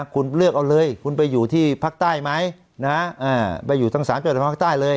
คุณเลือกเอาเลยคุณไปอยู่ที่ภาคใต้ไหมไปอยู่ทั้ง๓จังหวัดภาคใต้เลย